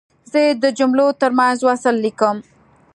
زه د جملو ترمنځ وصل لیکم.